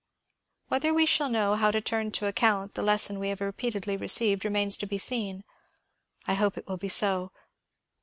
Whether we shall know how to turn to account the lesson we have repeatedly received remains to be seen. I hope it will be so.